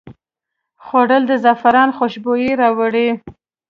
خوړل د زعفران خوشبويي راوړي